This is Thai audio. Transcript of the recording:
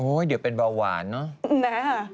เดี๋ยวเป็นเบาหวานเนอะ